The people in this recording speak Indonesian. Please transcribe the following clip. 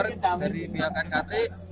karena kemarin dari pihak katrik